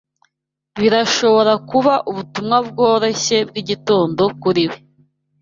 Birashobora kuba ubutumwa bworoshye bwigitondo kuri we